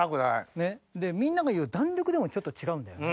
ねっでみんなが言う弾力でもちょっと違うんだよね。